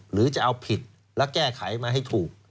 หรือจะเอาผิดและแก้ไขมาให้ถูก